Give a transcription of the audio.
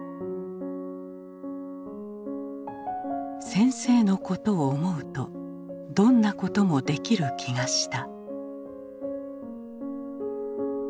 先生のことを思うとどんなこともできる気がした。